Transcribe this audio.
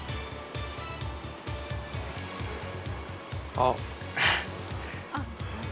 あっ。